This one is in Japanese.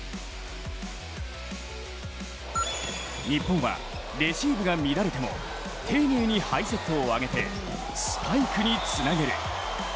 日本は、レシーブが乱れても丁寧にハイセットを上げてスパイクにつなげる。